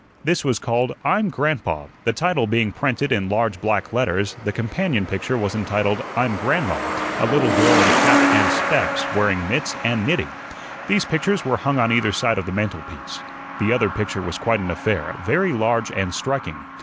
This was called "I'm Grandpa," the title being printed in large black letters; the companion picture was entitled "I'm Grandma," a little girl in cap and "specs," wearing mitts, and knitting. These pictures were hung on either side of the mantelpiece. The other picture was quite an affair, very large and striking.